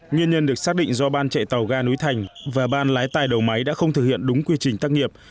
nguyên nhân được xác định do ban chạy tàu gà núi thành và ban lái tài đầu máy đã không thực hiện đúng quy trình tắc nghiệp